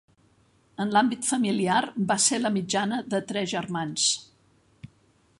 En l'àmbit familiar va ser la mitjana de tres germans.